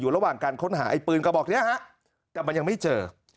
อยู่ระหว่างการค้นหาไอ้ปืนก็บอกยังไม่เจอ